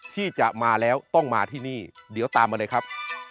ที่จะมาแล้วต้องมาที่นี่เดี๋ยวตามมาเลยครับ